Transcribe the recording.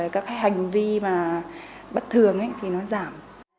các hành vi bất thường thì nó giảm